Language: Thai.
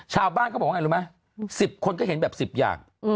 ชาวบ้านเขาบอกว่าไงรู้ไหม๑๐คนก็เห็นแบบ๑๐อย่าง